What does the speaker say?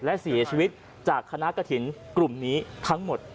และเสียชีวิตจากคณะกระถิ่นกลุ่มนี้ทั้งหมด